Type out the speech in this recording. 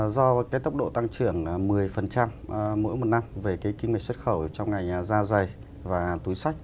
do tốc độ tăng trưởng một mươi mỗi một năm về kinh mạch xuất khẩu trong ngày da dày và túi sách